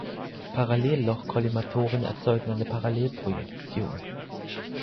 Parallelloch-Kollimatoren erzeugen eine Parallelprojektion.